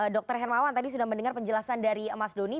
dr hermawan tadi sudah mendengar penjelasan dari mas doni